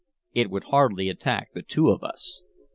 It would hardly attack the two of us.